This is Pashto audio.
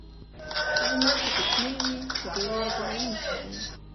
غوماشې کوچنۍ وي، خو ډېرې آزاروونکې دي.